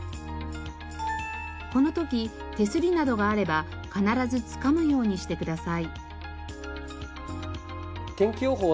この時手すりなどがあれば必ずつかむようにしてください。